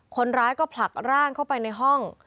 คนร้ายก็ผลักร่างเข้าไปในห้อง